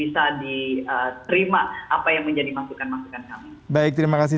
jadi itu yang harapan saya kedepannya